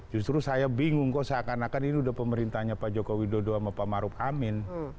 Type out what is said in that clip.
justru saya bingung kok seakan akan ini udah pemerintahnya pak joko widodo sama pak maruf amin